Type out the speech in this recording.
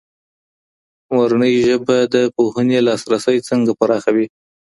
مورنۍ ژبه د پوهنې لاسرسی څنګه پراخوي؟